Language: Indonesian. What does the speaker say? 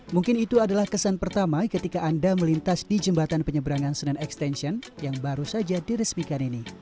mungkin itu adalah kesan pertama ketika anda melintas di jembatan penyeberangan senen extension yang baru saja diresmikan ini